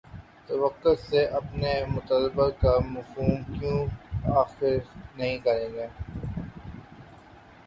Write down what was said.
توواقعات سے اپنے مطلب کا مفہوم کیوں اخذ نہیں کریں گے؟